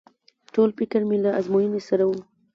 ټول فکر مې له ازموينې سره و.